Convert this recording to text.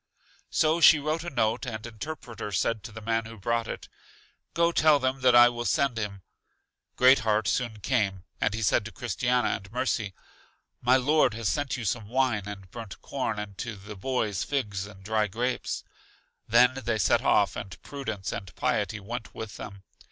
So she wrote a note, and Interpreter said to the man who brought it: Go, tell them that I will send him. Great heart soon came, and he said to Christiana and Mercy, My Lord has sent you some wine and burnt corn, and to the boys figs and dry grapes. They then set off, and Prudence and Piety went with them.